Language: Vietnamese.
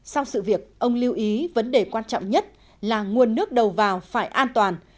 sau sự việc ông lưu ý vấn đề quan trọng nhất là nguồn nước đầu vào phải an toàn